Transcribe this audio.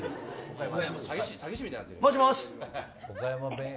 もしもし？